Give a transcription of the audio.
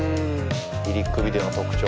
リリックビデオの特徴。